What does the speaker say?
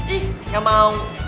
ih gak mau